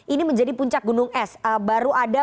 ini menjadi puncak gunung es baru ada